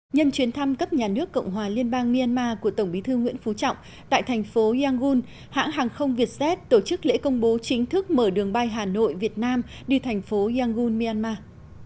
nhân chuyến thăm cấp nhà nước cộng hòa liên bang myanmar của tổng bí thư nguyễn phú trọng tại thành phố yangun hãng hàng không vietjet tổ chức lễ công bố chính thức mở đường bay hà nội việt nam đi thành phố yangu myanmar